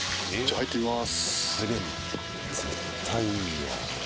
入ってみます。